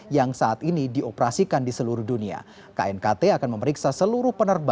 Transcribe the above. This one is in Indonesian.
yang saat ini ada sekitar dua ratus pesawat yang terbang di seluruh dunia